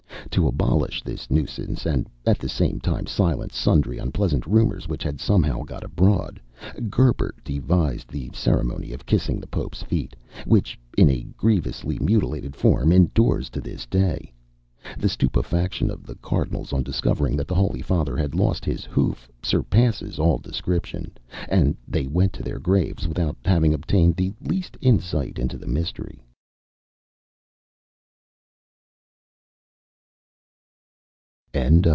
To abolish this nuisance, and at the same time silence sundry unpleasant rumours which had somehow got abroad, Gerbert devised the ceremony of kissing the Pope's feet, which, in a grievously mutilated form, endures to this day. The stupefaction of the Cardinals on discovering that the Holy Father had lost his hoof surpasses all description, and they went to their graves without having obtained the least insight into the mystery.